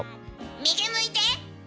右向いて！